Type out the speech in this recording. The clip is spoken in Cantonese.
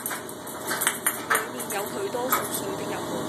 裏面有許多熟睡的人們，